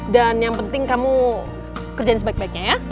dan yang penting kamu kerjain sebaik baiknya ya